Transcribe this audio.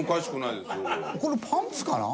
これパンツかな？